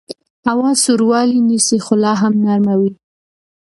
هوا سوړوالی نیسي خو لاهم نرمه وي